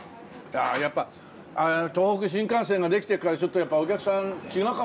あやっぱ東北新幹線ができてからちょっとやっぱお客さん違うかもね。